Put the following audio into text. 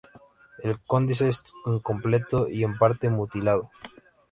El códice está incompleto y en parte mutilado.